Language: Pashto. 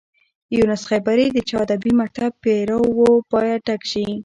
یونس خیبري د چا ادبي مکتب پيرو و باید ډک شي.